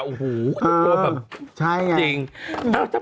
โอ้โฮแจ๊กโต่ออกแบบเจ๊คลส์